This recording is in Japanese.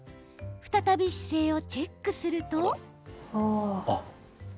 再び姿勢をチェックすると。